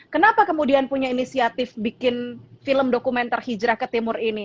kenapa kemudian punya inisiatif bikin film dokumenter hijrah ke timur ini